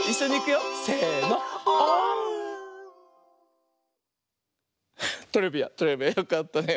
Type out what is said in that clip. よかったね。